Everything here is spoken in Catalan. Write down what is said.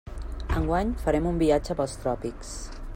Enguany farem un viatge pels tròpics.